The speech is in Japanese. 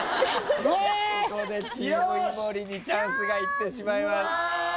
ここでチーム井森にチャンスがいってしまいます。